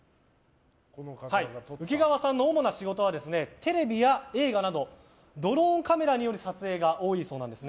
主な仕事はテレビや映画などドローンカメラによる撮影が多いそうです。